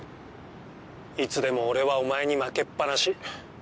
いつでも俺はお前に負けっぱなし。